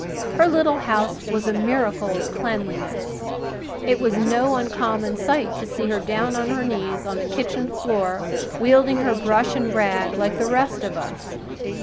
Her little house was a miracle of cleanliness. It was no uncommon sight to see her down on her knees on the kitchen floor, wielding her brush and rag like the rest of us.